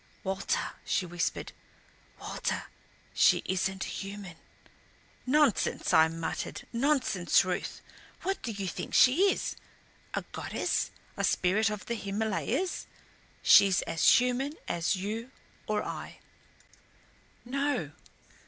"Walter," she whispered, "Walter she isn't human!" "Nonsense," I muttered. "Nonsense, Ruth. What do you think she is a goddess, a spirit of the Himalayas? She's as human as you or I." "No."